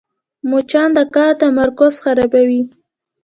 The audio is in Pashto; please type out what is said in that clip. مچان د کار تمرکز خرابوي